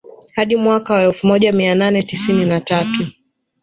Hadi mwaka wa elfu moja mia nane tisini na tatu